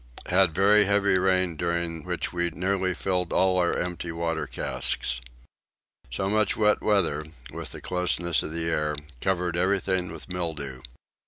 Had very heavy rain during which we nearly filled all our empty water casks. So much wet weather, with the closeness of the air, covered everything with mildew.